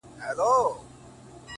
• لـــكــه ښـــه اهـنـــگ؛